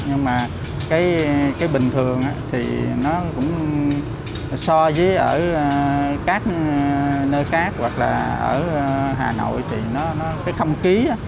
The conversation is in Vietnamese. nhưng mà cái bình thường thì nó cũng so với ở các nơi khác hoặc là ở hà nội thì cái không khí á